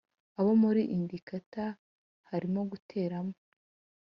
abona muri indicater harimo guteramo